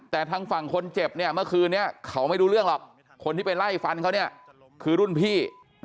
แต่ทางฝั่งคนเจ็บเนี่ยเมื่อคืนนี้เขาไม่รู้เรื่องหรอกคนที่ไปไล่ฟันเขาเนี่ยคือรุ่นพี่